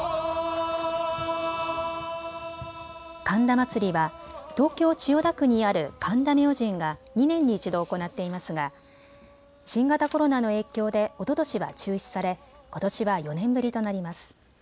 神田祭は東京千代田区にある神田明神が２年に１度行っていますが新型コロナの影響でおととしは中止されことしは４年ぶりとなります。